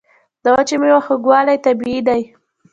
د وچو میوو خوږوالی طبیعي دی.